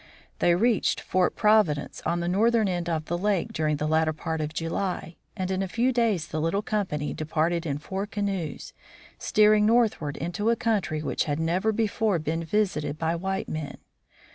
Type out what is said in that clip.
They reached Fort FRANKLIN'S FIRST LAND JOURNEY 17 Providence, on the northern end of the lake, during the latter part of July, and in a few days the little com pany departed in four canoes, steering northward into a country which had never before been visited by white men.